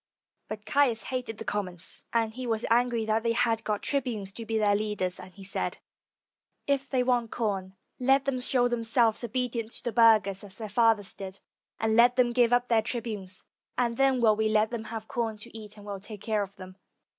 But Caius hated the commons, and he was angry that they had got trib unes to be their leaders, and he said, "If they want com, let them show themselves obedient to the burghers, as their fathers did, and let them give up their tribunes; and then will we let them have com to eat, and will take care of them."